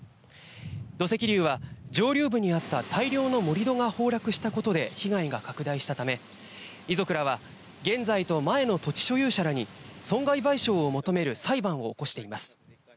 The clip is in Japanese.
土石流は上流部にあった大量の盛り土が崩落したことで被害が拡大したため、遺族らは現在と前の土地所有者らに損害賠償を求める裁判を起こしています。